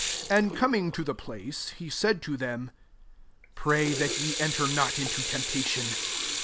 40 And coming to the place, he said to them, " Pray that ye en ter not into temptation."